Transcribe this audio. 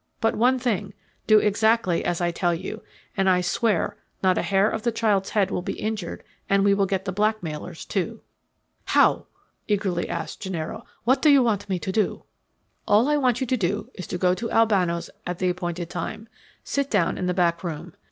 "But one thing do exactly as I tell you, and I swear not a hair of the child's head will be injured and we will get the blackmailers, too." "How?" eagerly asked Gennaro. "What do you want me to do?" "All I want you to do is to go to Albano's at the appointed time. Sit down in the back room.